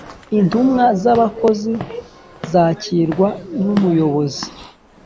Intumwa z’ abakozi zakirwa n’ umuyobozi